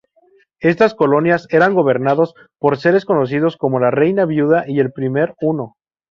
Estas colonias eran gobernados por seres conocidos como la Reina-Viuda y el Primer-Uno.